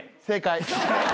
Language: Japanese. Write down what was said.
正解。